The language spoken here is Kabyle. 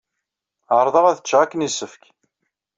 Ɛerrḍeɣ ad cceɣ akken yessefk.